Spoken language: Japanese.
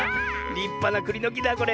りっぱなくりのきだこれ。